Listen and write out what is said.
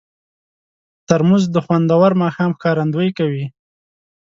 ترموز د خوندور ماښام ښکارندویي کوي.